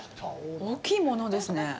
大きいものですね。